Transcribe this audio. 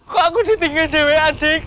kok aku ditinggalin dwa dek